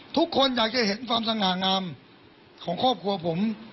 ทุกคนอยากจะเห็นความสง่างามของครอบครัวผม